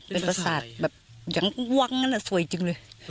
เป็นภาษาแบบยังว้างสวยจริงเลย